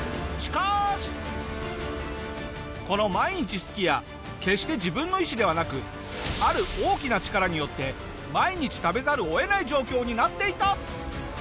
この毎日すき家決して自分の意思ではなくある大きな力によって毎日食べざるを得ない状況になっていた！